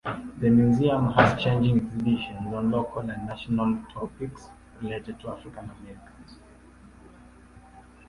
The museum has changing exhibitions on local and national topics related to African Americans.